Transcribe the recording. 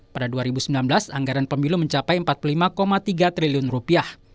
pada dua ribu sembilan belas anggaran pemilu mencapai empat puluh lima tiga triliun rupiah